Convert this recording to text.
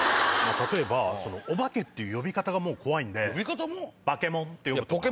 例えばお化けっていう呼び方がもう怖いんでバケモンって呼ぶとか。